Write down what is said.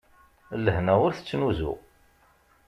Lehna ur tettnuzu.